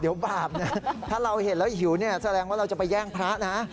เดี๋ยวบาปนะถ้าเราเห็นแล้วหิวเนี่ยแสดงว่าเราจะไปแย่งพระนะ